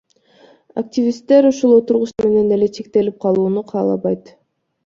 Активисттер ушул отургучтар менен эле чектелип калууну каалабайт.